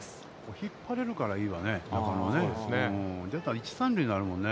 引っ張れるからいいわね、中野はね。